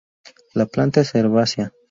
La planta es herbácea.